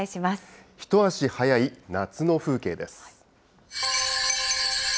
一足早い夏の風景です。